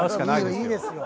いいですよ。